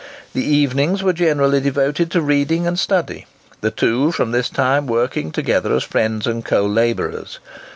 The evenings were generally devoted to reading and study, the two from this time working together as friends and co labourers.